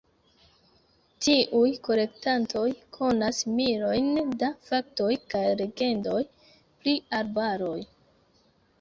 Tiuj kolektantoj konas milojn da faktoj kaj legendoj pri arbaroj.